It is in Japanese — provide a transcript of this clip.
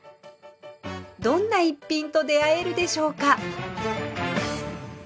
どんな逸品と出会えるでしょうか？